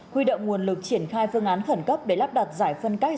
huy động nguồn lực triển khai phương án khẩn cấp để lắp đặt giải phân cách